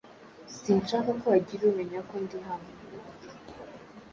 Sinshaka ko hagira umenya ko ndi hano.